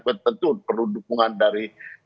tentu perlu dukungan dari